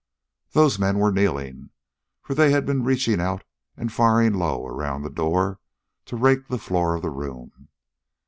Those men were kneeling, for they had been reaching out and firing low around the door to rake the floor of the room.